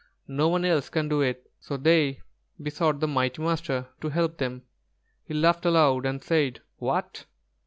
No one else can do it." So they besought the mighty Master to help them. He laughed aloud, and said: "What!